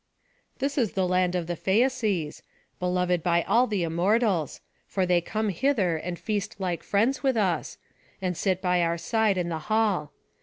"This is the land of the Phæaces, beloved by all the Immortals; for they come hither and feast like friends with us, and sit by our side in the hall.